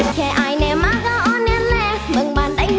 เพลง